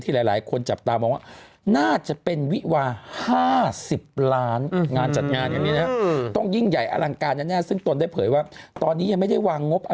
แต่ไม่น่าจะถึงหรอก๕๐ล้านเอาไปซื้อบ้านดีกว่าเนอะ